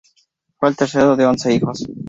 Fue el tercero de once hijos.